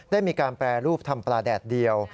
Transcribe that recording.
ได้มีการแปรรูปทำปลาแดดเดียว